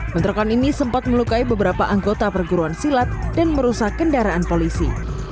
bentrokan ini sempat melukai beberapa anggota perguruan silat dan merusak kendaraan polisi